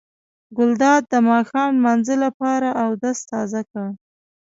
ګلداد د ماښام لمانځه لپاره اودس تازه کړ.